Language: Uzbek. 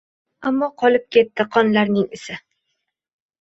Ammo qolib ketdi qonlarning isi.